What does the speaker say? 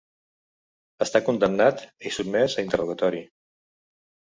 Està condemnat i sotmès a interrogatori.